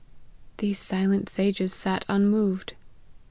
These silent sages sat unmoved."